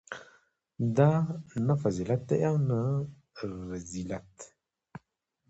دا نه فضیلت دی او نه رذیلت.